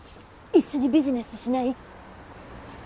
一緒にビジネスしない？